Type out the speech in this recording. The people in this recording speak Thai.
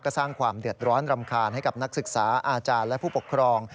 ก็สร้างความเดือดร้อนรำคาญให้กับนักศึกษาอาจารย์และผู้ปกครอง